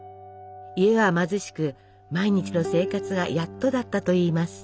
家は貧しく毎日の生活がやっとだったといいます。